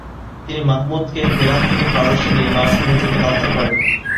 তিনি মাহমুদকে হেরাত থেকে পারস্যে নির্বাসনে যেতে বাধ্য করেন।